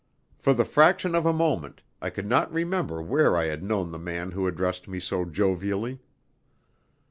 For the fraction of a moment I could not remember where I had known the man who addressed me so jovially.